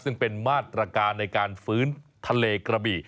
ซึ่งเป็นมาตรการในการฟื้นทะเลกระบี่